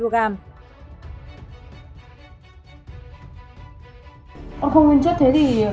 nó không nguyên chất thế thì